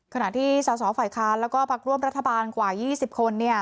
ขณะที่สฝคแล้วก็ปรักร่วมรัฐบาลกว่ายี่สิบคนเนี่ย